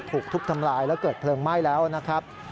ถูกทุบทำลายแล้วเกิดเพลิงไหม้แล้วนะครับ